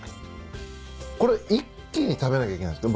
これ一気に食べなきゃいけないんですか？